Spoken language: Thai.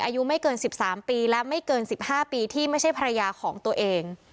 อายุไม่เกิน๑๓ปีและไม่เกิน๑๕ปีที่ไม่ใช่ภรรยาของตัวเอง